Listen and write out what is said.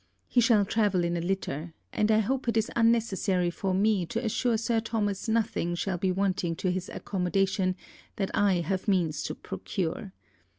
He shall travel in a litter; and I hope it is unnecessary for me to assure Sir Thomas nothing shall be wanting to his accommodation that I have means to procure.